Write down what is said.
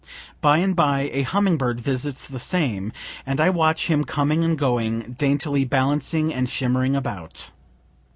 By and by a humming bird visits the same, and I watch him coming and going, daintily balancing and shimmering about.